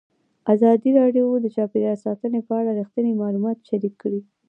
ازادي راډیو د چاپیریال ساتنه په اړه رښتیني معلومات شریک کړي.